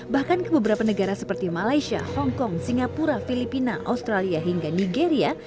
bahkan ke beberapa negara seperti malaysia hongkong singapura filipina australia hingga nigeria